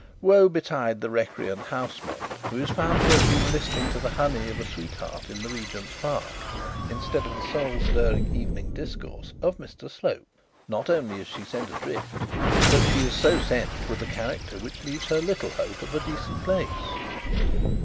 Woe betide the recreant housemaid who is found to have been listening to the honey of a sweetheart in the Regent's Park, instead of the soul stirring evening discourse of Mr Slope. Not only is she sent adrift, but she is so sent with a character which leaves her little hope of a decent place.